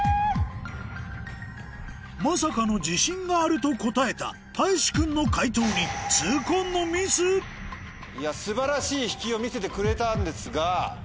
まさかの「自信がある」と答えたたいし君の解答に素晴らしい引きを見せてくれたんですが。